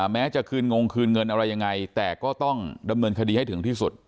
แม้จะคืนงงคืนเงินอะไรยังไงแต่ก็ต้องดำเนินคดีให้ถึงที่สุด